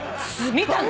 見たの？